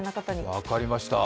分かりました。